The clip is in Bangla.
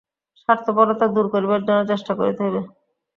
স্বার্থপরতা দূর করিবার জন্য চেষ্টা করিতে হইবে।